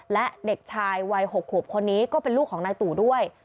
และเด็กชายวัย๖ขวบคนนี้ก็เป็นลูกของนายตู่ด้วย